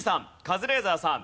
カズレーザーさん